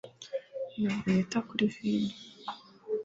ntabwo nita kuri vino